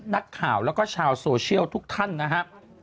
นักข่าวแล้วก็ชาวโซเชียลทุกท่านนะครับ